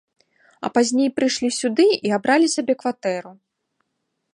А пазней прыйшлі сюды і абралі сабе кватэру.